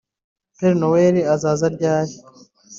Père Noël azaza ryari